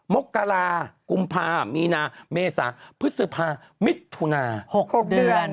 มกรากุมภามีนาเมษาพฤษภามิถุนา๖๖เดือน